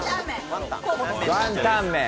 ワンタンメン。